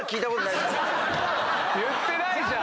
言ってないじゃん！